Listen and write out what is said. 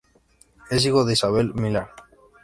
Es hijo de Isabel Vilar.